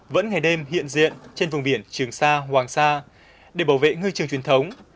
vẫn ngày đêm hiện diện trên vùng biển trường sa hoàng sa để bảo vệ ngư trường truyền thống